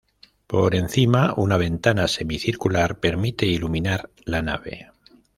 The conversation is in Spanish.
Por encima, una ventana semicircular permite iluminar la nave.